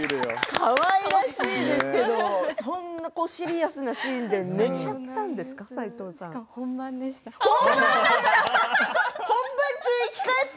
かわいらしいですけれどそんなシリアスなシーンで本番でした。